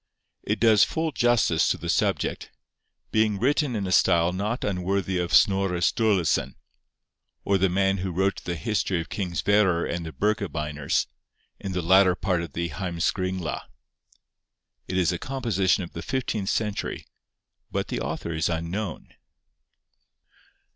It does full justice to the subject, being written in a style not unworthy of Snorre Sturlesen, or the man who wrote the history of King Sverrer and the Birkebeiners, in the latter part of the Heimskringla. It is a composition of the fifteenth century, but the author is unknown.